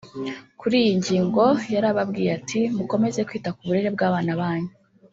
Kuri iyi ngingo yarababwiye ati “Mukomeze kwita ku burere bw’abana banyu